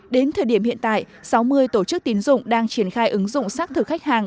đến thời điểm hiện tại sáu mươi tổ chức tín dụng đang triển khai ứng dụng xác thực khách hàng